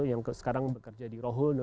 yang sekarang bekerja di rohuna